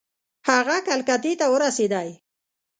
هغه کلکتې ته ورسېدی.